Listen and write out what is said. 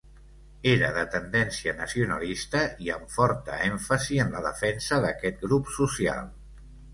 Era de tendència nacionalista i amb forta èmfasi en la defensa d'aquest grup social.